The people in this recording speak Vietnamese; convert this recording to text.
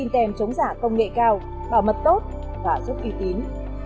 tem chống giả công nghệ cao bảo mật tốt và giúp kỳ tín